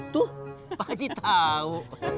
tuh pak haji tau